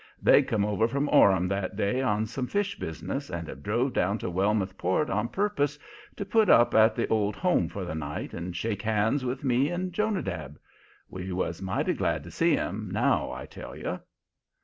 They'd come over from Orham that day on some fish business and had drove down to Wellmouth Port on purpose to put up at the Old Home for the night and shake hands with me and Jonadab. We was mighty glad to see 'em, now I tell you.